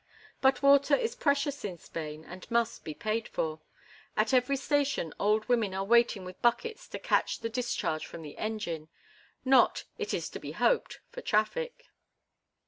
But water is precious in Spain, and must be paid for. At every station old women are waiting with buckets to catch the discharge from the engine—not, it is to be hoped, for traffic.